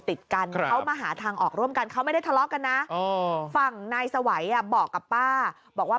ติดกันเขามาหาทางออกร่วมกันเขาไม่ได้ทะเลาะกันนะฝั่งนายสวัยบอกกับป้าบอกว่า